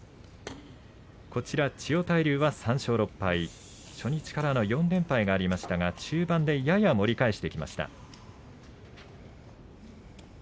千代大龍は３勝６敗初日から４連敗がありましたが中盤で盛り返してきました。